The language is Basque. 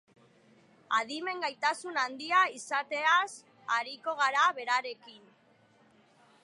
Adimen gaitasun handia izateaz ariko gara berarekin.